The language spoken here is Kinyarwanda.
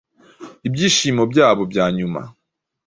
ibyishimo byabo bya nyuma,